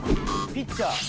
ピッチャー。